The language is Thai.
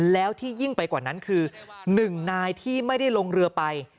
แล้วที่ยิ่งไปกว่านั้นคือ๑นายที่ไม่ได้ลงเรือไป